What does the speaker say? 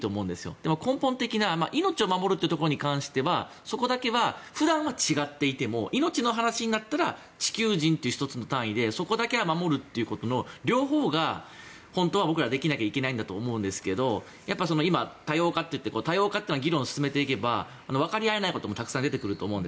でも根本的な命を守るということに関してはそこだけは、普段は違っていても命の話になったら地球人という１つの単位でそこだけは守るということの両方が、本当は僕らできなきゃいけないと思うんですが今、多様化と多様化というのは議論を進めていけばわかり合えないこともたくさん出てくると思うんです。